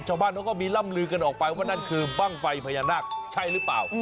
ชาวบ้านเขาก็มีล่ำลือกันออกไปว่านั่นคือบ้างไฟพญานาคใช่หรือเปล่า